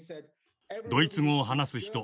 ドイツ語を話す人